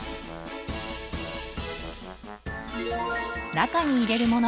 中に入れるもの。